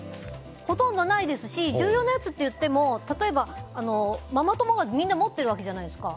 ほとんどないですし重要なやつっていっても例えばママ友がみんな持ってるわけじゃないですか。